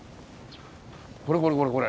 これこれこれこれ。